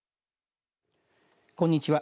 こんにちは。